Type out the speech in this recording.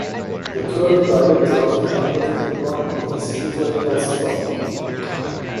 The current director of the athletic department is Peter Hellstrom.